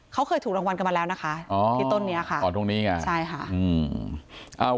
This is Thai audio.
เขาเคยถูกรางวัลกันมาแล้วนะคะที่ต้นนี้ค่ะ